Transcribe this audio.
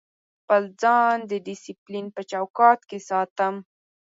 خپل ځان د ډیسپلین په چوکاټ کې ساتم.